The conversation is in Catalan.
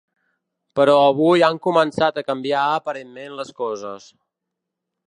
Però avui han començat a canviar aparentment les coses.